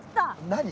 何？